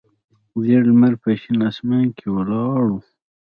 زیړ لمر په شین اسمان کې ولاړ و.